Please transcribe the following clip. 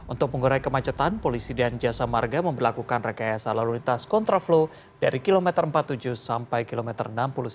untuk mengurai kemacetan polisi dan jasa marga memperlakukan rekayasa lalu lintas kontraflow dari kilometer empat puluh tujuh sampai kilometer enam puluh sembilan